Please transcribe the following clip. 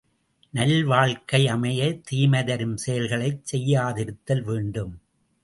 நல் வாழ்க்கை அமைய, தீமை தரும் செயல்களைச் செய்யாதிருத்தல் வேண்டும்.